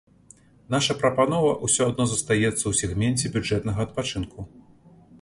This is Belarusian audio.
Наша прапанова ўсё адно застаецца ў сегменце бюджэтнага адпачынку.